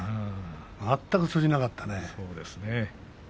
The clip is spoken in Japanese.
全く通じなかったね。